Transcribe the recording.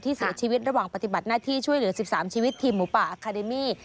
เสียชีวิตระหว่างปฏิบัติหน้าที่ช่วยเหลือ๑๓ชีวิตทีมหมูป่าอาคาเดมี่